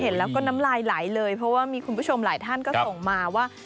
เห็นแล้วก็น้ำลายไหลเลยเพราะว่ามีคุณผู้ชมหลายท่านก็ส่งมาว่า